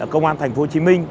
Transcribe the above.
công an thành phố hồ chí minh